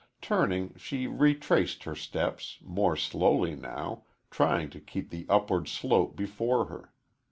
Turning, she retraced her steps, more slowly now, trying to keep the upward slope before her.